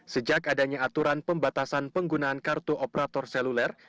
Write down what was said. sejak adanya aturan pembatasan penggunaan kartu operator seluler